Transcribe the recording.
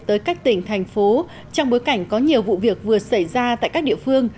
tới các tỉnh thành phố trong bối cảnh có nhiều vụ việc vừa xảy ra tại các địa phương